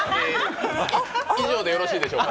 以上でよろしいでしょうか。